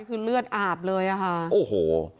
คือเลือดอาบเลยค่ะ